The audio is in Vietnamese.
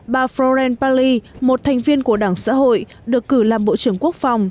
bà florence pally một thành viên của đảng xã hội được cử làm bộ trưởng quốc phòng